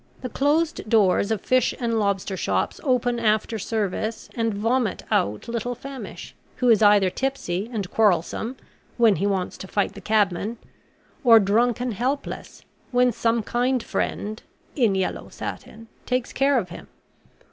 The closed doors of fish and lobster shops open after service, and vomit out little Famish, who is either tipsy and quarrelsome when he wants to fight the cabmen; or drunk and helpless when some kind friend (in yellow satin) takes care of him.